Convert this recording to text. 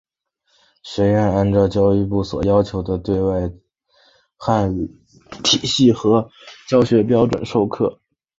学院按照教育部所要求的对外汉语教学体系和教学标准授课。